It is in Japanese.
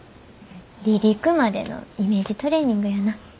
離陸までのイメージトレーニングやな。